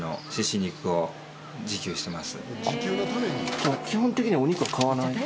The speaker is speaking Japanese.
じゃあ基本的にはお肉は買わない？